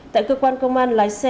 tại cơ quan công an lái xe